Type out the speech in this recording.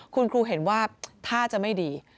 คุณครูเห็นว่าท่าจะไม่ดี